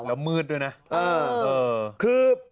แล้วมืดด้วยนะเออคือ